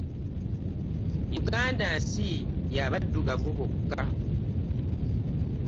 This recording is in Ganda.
Yuganda nsi ya baddugavu bokka?